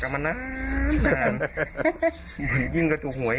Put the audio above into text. กลับมาเขาจะได้ไม่ต้องทำ